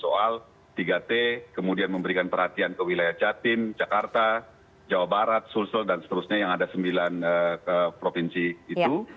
soal tiga t kemudian memberikan perhatian ke wilayah jatim jakarta jawa barat sulsel dan seterusnya yang ada sembilan provinsi itu